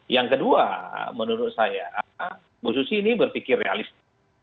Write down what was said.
yang kedua menurut saya bu susi ini berpikir realistis